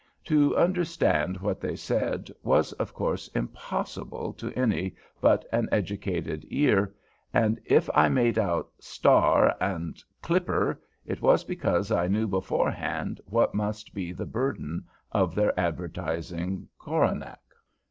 To understand what they said was, of course, impossible to any but an educated ear, and if I made out "Starr" and "Clipp'rr," it was because I knew beforehand what must be the burden of their advertising coranach.